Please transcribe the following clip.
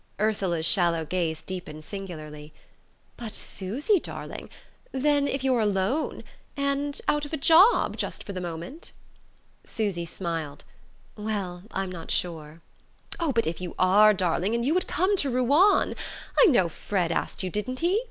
Ursula's shallow gaze deepened singularly. "But, Susy darling, then if you're alone and out of a job, just for the moment?" Susy smiled. "Well, I'm not sure." "Oh, but if you are, darling, and you would come to Ruan! I know Fred asked you didn't he?